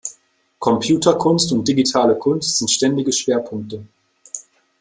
Computerkunst und digitale Kunst sind ständige Schwerpunkte.